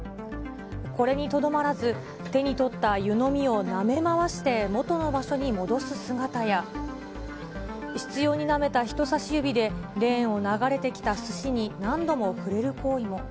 これにとどまらず、手に取った湯のみをなめ回して元の場所に戻す姿や、執ようになめた人さし指でレーンを流れてきたすしに何度も触れる行為も。